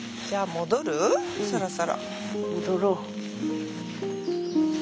戻ろう。